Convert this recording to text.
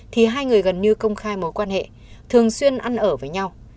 thì hai người gần như công khai mối quan hệ thường xuyên ăn ở với nhau